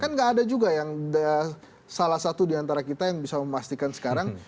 kan nggak ada juga yang salah satu diantara kita yang bisa memastikan sekarang